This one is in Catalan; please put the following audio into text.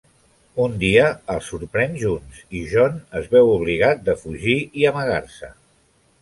Un dia els sorprèn junts i John es veu obligat de fugir i amagar-se.